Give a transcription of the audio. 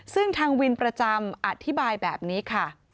ซึ่งทางวินประจำอธิบายแบบนี้ค่ะ